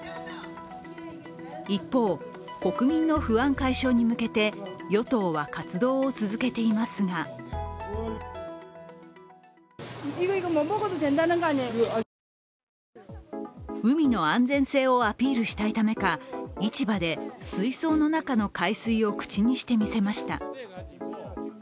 一方、国民の不安解消に向けて与党は活動を続けていますが海の安全性をアピールしたいためか、市場で水槽の中の海水を口にしてみせました。